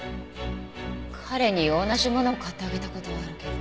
彼に同じものを買ってあげた事はあるけど。